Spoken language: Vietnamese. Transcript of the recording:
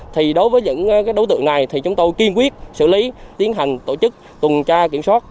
thì đối với những đối tượng này thì chúng tôi kiên quyết xử lý tiến hành tổ chức tuần tra kiểm soát